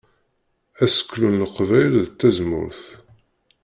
Aseklu n Leqbayel d tazemmurt.